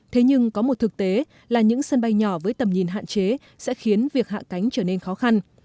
thế nhưng có một thực tế là những sân bay nhỏ với tầm nhìn hạn chế sẽ khiến việc hạ cánh trở nên khó khăn